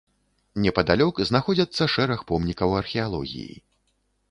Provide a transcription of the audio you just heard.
Непадалёк знаходзяцца шэраг помнікаў археалогіі.